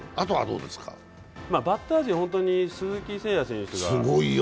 バッター陣は本当に鈴木誠也選手が。